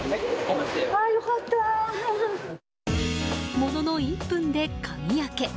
ものの１分で鍵開け。